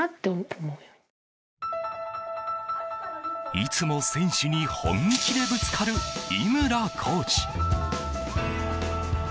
いつも選手に本気でぶつかる井村コーチ。